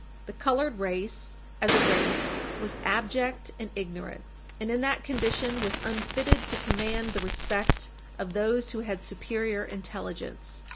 The colored race, as a race, was abject and ignorant, and in that condition was unfitted to command the respect of those who had superior intelligence.